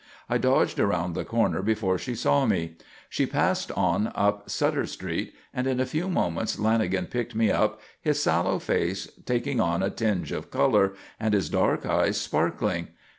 I dodged around the corner before she saw me. She passed on up Sutter Street, and in a few moments Lanagan picked me up, his sallow face taking on a tinge of colour and his dark eyes sparkling.